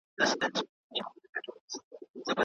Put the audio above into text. د غريبانو ضرورتونه پوره کړئ.